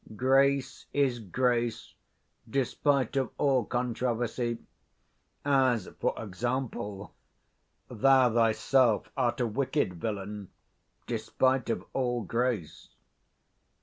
Grace is grace, despite of all controversy: as, for example, thou thyself art a wicked 25 villain, despite of all grace.